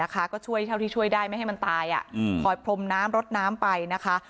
ก็ช่วยเท่าที่ช่วยได้ไม่ให้มันตายคอยพรมน้ำรดน้ำไปนะคะ